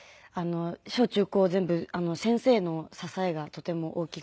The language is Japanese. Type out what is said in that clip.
小中高全部先生の支えがとても大きくて。